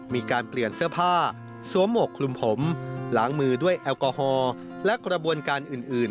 มีการเปลี่ยนเสื้อผ้าสวมหมวกคลุมผมล้างมือด้วยแอลกอฮอล์และกระบวนการอื่น